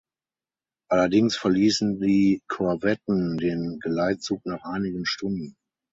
Allerdings verließen die Korvetten den Geleitzug nach einigen Stunden.